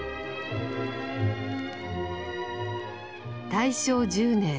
大正１０年。